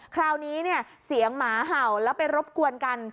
คราวนี้เนี่ยเสียงหมาเห่าแล้วไปรบกวนกัน